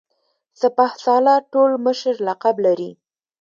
سپه سالار ټول مشر لقب لري.